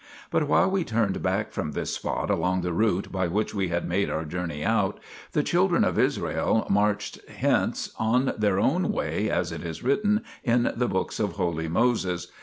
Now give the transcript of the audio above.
But while we turned back from this spot along the route by which we had made our journey out, the children of Israel marched hence on their own way, as it is written in the books of holy Moses.